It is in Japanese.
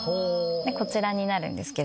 こちらになるんですけれども。